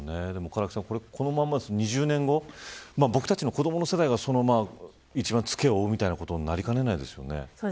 このまま２０年後僕たちの子どもの世代が一番、つけを負うみたいなことになりかねないですよね。